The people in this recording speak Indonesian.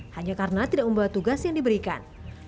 hanya karena tidak membawa tugas yang diberikan